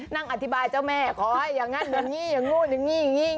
นั่งอธิบายเจ้าแม่ขอให้อย่างนั้นอย่างนี้อย่างนู้นอย่างนี้อย่างนี้